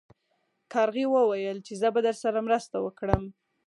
کارغې وویل چې زه به درسره مرسته وکړم.